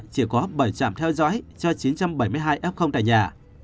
chỉ có bảy trạm theo dõi cho chín trăm bảy mươi hai f tại nhà